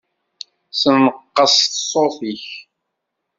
Senqeṣ ṣṣut-ik.